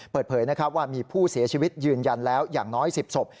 เปิดเผยว่ามีผู้เสียชีวิตยืนยันแล้วอย่างน้อย๑๐ศพ